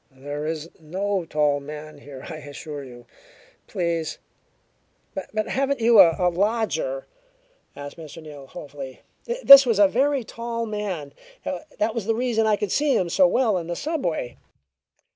There is no tall man here, I assure you. Please " "But haven't you a lodger?" asked Mr. Neal hopefully. "This was a very tall man; that was the reason I could see him so well in the subway.